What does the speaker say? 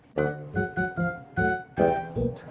sini pak coba